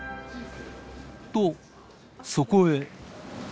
と、そこへ。